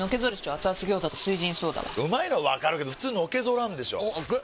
アツアツ餃子と「翠ジンソーダ」はうまいのはわかるけどフツーのけぞらんでしょアツ！